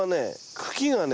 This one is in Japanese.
茎がね